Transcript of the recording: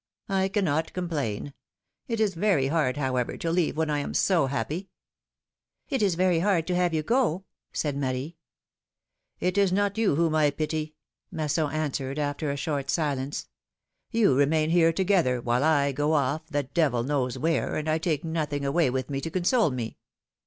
I cannot complain. It is very hard, however, to leave when I am so happy!" It is very hard to have you go !" said Marie. ^Ht is not you whom I pity," Masson answered, after a short silence. ^'You remain here together; while I go off, the devil knows where, and I take nothing away with me to console me."